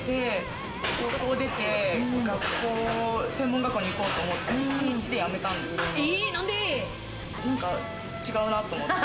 高校出て、専門学校に行こうと、思って１日で辞めたんですけど、なんか違うなと思って。